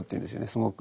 すごく。